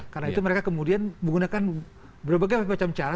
karena itu mereka kemudian menggunakan berbagai macam cara